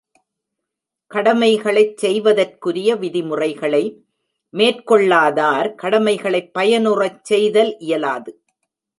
கடமைகளைச் செய்வதற்குரிய விதிமுறைகளை மேற்கொள்ளாதார் கடமைகளைப் பயனுறச்செய்தல் இயலாது.